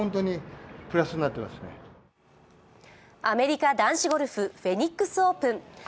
アメリカ男子ゴルフ・フェニックスオープン。